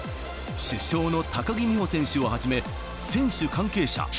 主将の高木美帆選手をはじめ、選手、関係者